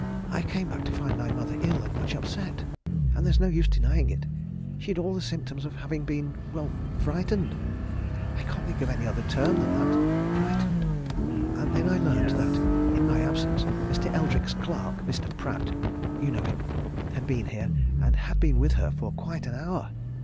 I came back to find my mother ill and much upset and there's no use denying it she'd all the symptoms of having been well, frightened. I can't think of any other term than that frightened. And then I learned that, in my absence, Mr. Eldrick's clerk, Mr. Pratt you know him had been here, and had been with her for quite an hour.